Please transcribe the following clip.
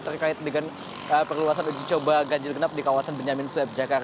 terkait dengan perluasan uji coba ganjil genap di kawasan benyamin sueb jakarta